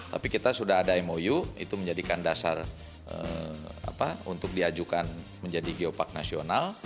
tapi kita sudah ada mou itu menjadikan dasar untuk diajukan menjadi geopark nasional